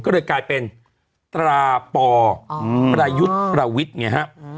ก็เลยกลายเป็นตราปอประยุทธ์ประวิทย์ไงฮะ